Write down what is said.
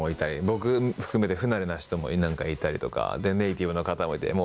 僕含めて不慣れな人もいたりとかでネーティブの方もいて。